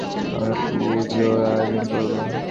আমরা পুজোর আয়োজন করব।